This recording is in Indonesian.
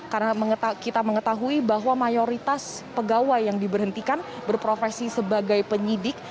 karena kita mengetahui bahwa mayoritas pegawai yang diberhentikan berprofesi sebagai penyidik